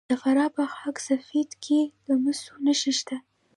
د فراه په خاک سفید کې د مسو نښې شته.